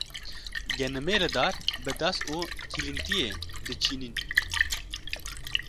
genimê li dar bi das û kîlîntiyê diçînîn